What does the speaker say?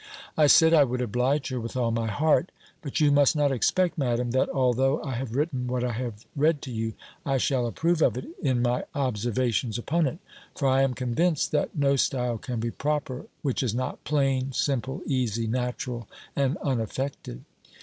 I said, I would oblige her with all my heart. "But you must not expect, Madam, that although I have written what I have read to you, I shall approve of it in my observations upon it; for I am convinced, that no style can be proper, which is not plain, simple, easy, natural and unaffected."